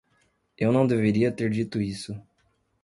Eu não deveria ter dito isso!